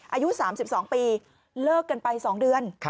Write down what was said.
อายุ๓๒ปีเลิกกันไป๒เดือน